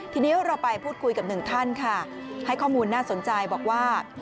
ทีนี้เราไปพูดคุยกับหนึ่งท่านค่ะให้ข้อมูลน่าสนใจบอกว่า